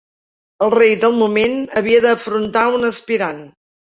El rei del moment havia d'afrontar un aspirant.